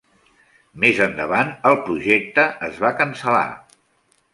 Més endavant, el projecte es va cancel·lar.